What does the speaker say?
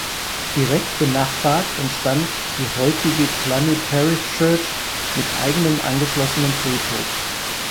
Direkt benachbart entstand die heutige Cluny Parish Church mit eigenem angeschlossenem Friedhof.